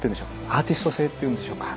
アーティスト性っていうんでしょうか。